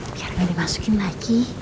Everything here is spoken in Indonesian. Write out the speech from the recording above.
biar gak dimasukin lagi